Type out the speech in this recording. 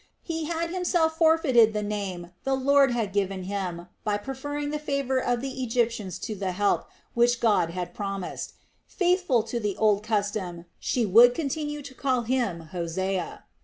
He had himself forfeited the name the Lord had given him by preferring the favor of the Egyptians to the help which God had promised. Faithful to the old custom, she would continue to call him "Hosea."